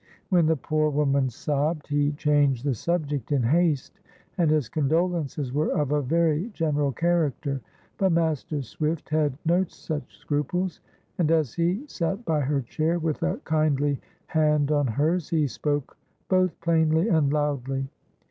When the poor woman sobbed, he changed the subject in haste, and his condolences were of a very general character. But Master Swift had no such scruples; and as he sat by her chair, with a kindly hand on hers, he spoke both plainly and loudly.